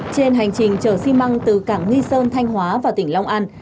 trên hành trình chở xi măng từ cảng nghi sơn thanh hóa và tỉnh long an